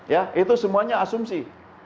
ya itu semuanya asumsi